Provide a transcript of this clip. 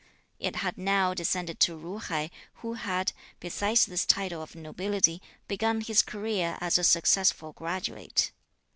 It had now descended to Ju hai, who had, besides this title of nobility, begun his career as a successful graduate.